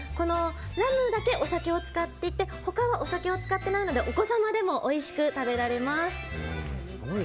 ラムだけお酒を使っていて他はお酒を使っていないのでお子様でもおいしく食べられます。